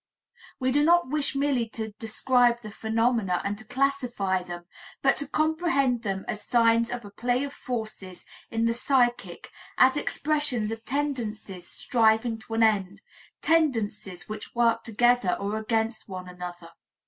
We do not wish merely to describe the phenomena and to classify them, but to comprehend them as signs of a play of forces in the psychic, as expressions of tendencies striving to an end, tendencies which work together or against one another.